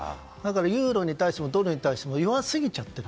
ユーロに対してもドルに対しても弱すぎちゃってる。